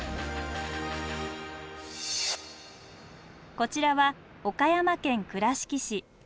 こちらは岡山県倉敷市。